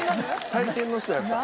体験の人やった。